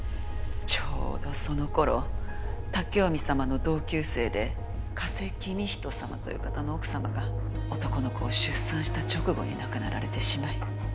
ちょうどその頃武臣様の同級生で加瀬公仁様という方の奥様が男の子を出産した直後に亡くなられてしまい。